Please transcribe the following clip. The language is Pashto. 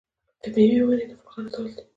د میوو ونې د مرغانو ځالې دي.